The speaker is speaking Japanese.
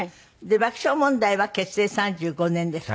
爆笑問題は結成３５年ですって？